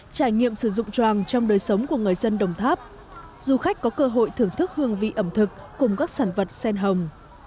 trải nghiệm sử dụng tràm trong đời sống của người dân đồng tháp du khách có cơ hội thưởng thức hương vị ẩm thực cùng các sản vật sen hồng